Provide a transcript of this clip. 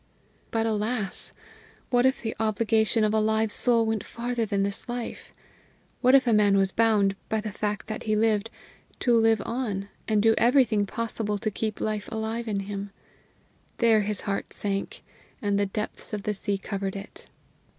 But alas! what if the obligation of a live soul went farther than this life? What if a man was bound, by the fact that he lived, to live on, and do everything possible to keep the life alive in him? There his heart sank, and the depths of the sea covered it!